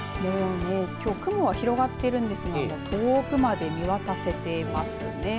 きょう雲が広がっているんですが遠くまで見渡せていますね。